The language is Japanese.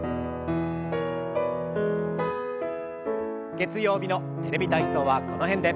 月曜日の「テレビ体操」はこの辺で。